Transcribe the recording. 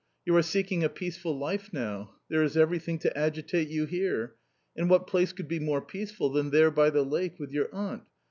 You are seeking a peace ful life now ; there is everything to agitate you here ; and what place could be more peaceful than there by the lake, with your aunt.